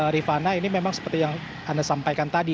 rifana ini memang seperti yang anda sampaikan tadi